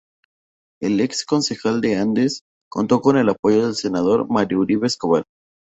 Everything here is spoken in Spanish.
El Ex Concejal de Andes, Contó con el apoyo del senador Mario Uribe Escobar.